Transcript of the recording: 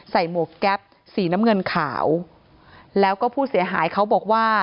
หมวกแก๊ปสีน้ำเงินขาวแล้วก็ผู้เสียหายเขาบอกว่า